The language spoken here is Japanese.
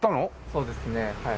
そうですねはい。